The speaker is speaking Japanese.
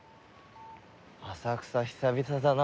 浅草久々だな。